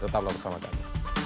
tetaplah bersama kami